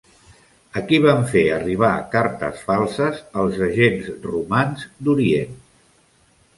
A qui van fer arribar cartes falses els agents romans d'Orient?